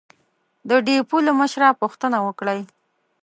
د ډېپو له مشره پوښتنه وکړئ!